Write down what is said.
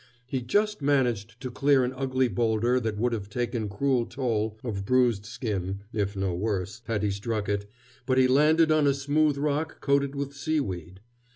He just managed to clear an ugly boulder that would have taken cruel toll of bruised skin, if no worse, had he struck it, but he landed on a smooth rock coated with seaweed.